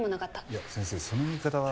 いや先生その言い方は。